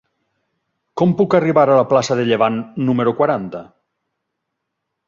Com puc arribar a la plaça de Llevant número quaranta?